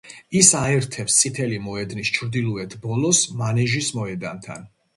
ის აერთებს წითელი მოედნის ჩრდილოეთ ბოლოს მანეჟის მოედანთან.